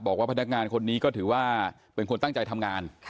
บอกว่าพนักงานคนนี้ก็ถือว่าเป็นคนตั้งใจทำงาน